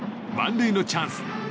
満塁のチャンス。